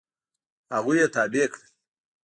هغوی یې تابع کړل.